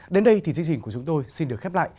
đến đây thì chương trình của chúng tôi xin được khép lại